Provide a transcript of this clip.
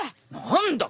何だ！